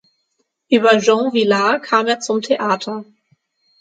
Über Jean Vilar kam er zum Theater.